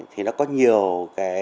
thì nó có nhiều trạng thái tâm lý